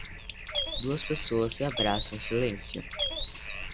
Duas pessoas se abraçam em silêncio